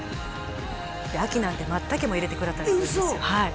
秋なんてマツタケも入れてくれたりするんですよ